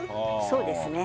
そうですね。